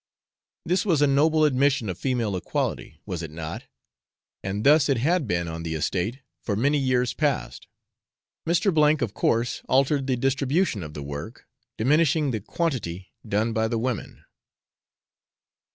This was a noble admission of female equality, was it not? and thus it had been on the estate for many years past. Mr. , of course, altered the distribution of the work, diminishing the quantity done by the women.